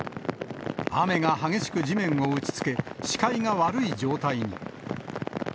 雨が激しく地面を打ちつけ、視界が悪い状態に。